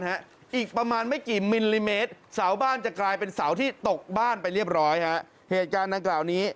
เหตุการณ์ดังกล่าวนี้ไม่รู้จะทำยังไงดี